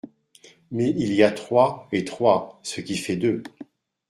Mais il y a Troie et Troyes…ce qui fait deux.